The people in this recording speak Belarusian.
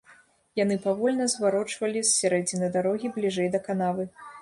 Яны павольна зварочвалі з сярэдзіны дарогі бліжэй да канавы.